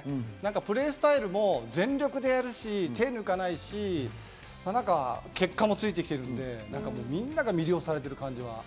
プレースタイルも全力でやるし、手を抜かないし、結果もついてきてるんで、皆が魅了されてる感じはある。